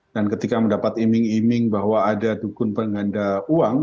dan ketika mendapat iming iming bahwa ada dukun pengganda uang